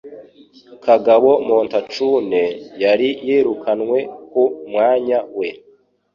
Kagabo Montacune yari yirukanwe ku mwanya we